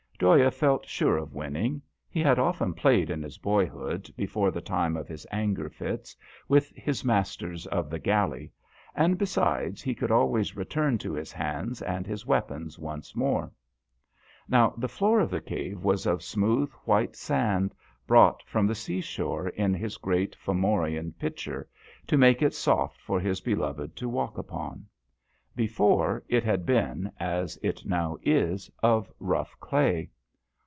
Dhoya felt sure of winning. He had often played in his boyhood, before the time of his anger fits, with his masters of the galley ; and besides, he could always return to his hands and his weapons once more. Now the floor of the cave was of smooth, white sand, brought from the sea shore in his great Fomorian pitcher, to make it soft for his beloved to walk upon ; before it had been, as it now is,. 192 DHOYA. of rough clay.